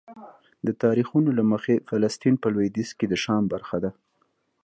د تاریخونو له مخې فلسطین په لویدیځ کې د شام برخه ده.